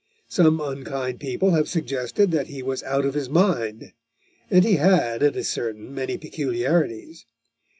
Some unkind people have suggested that he was out of his mind, and he had, it is certain, many peculiarities.